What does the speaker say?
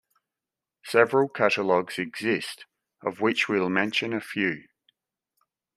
Several catalogues exist, of which we'll mention a few.